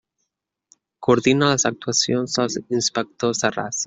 Coordina les actuacions dels inspectors de raça.